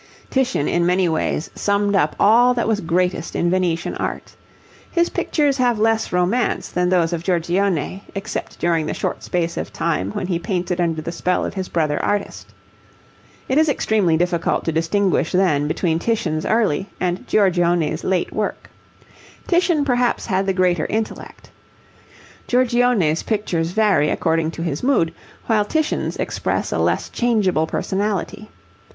Titian in many ways summed up all that was greatest in Venetian art. His pictures have less romance than those of Giorgione, except during the short space of time when he painted under the spell of his brother artist. It is extremely difficult to distinguish then between Titian's early and Giorgione's late work. Titian perhaps had the greater intellect. Giorgione's pictures vary according to his mood, while Titian's express a less changeable personality.